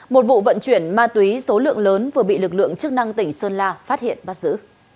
một vụ vận chuyển ma túy số lượng lớn vừa bị lực lượng chức năng tỉnh sơn la phát hiện bắt giữ